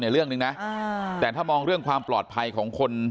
เรื่องหนึ่งนะแต่ถ้ามองเรื่องความปลอดภัยของคน